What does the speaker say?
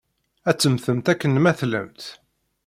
Ad temmtemt akken ma tellamt.